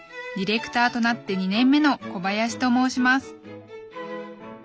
ディレクターとなって２年目の小林と申します